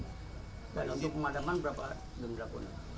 dan untuk pemadaman berapa yang dilakukan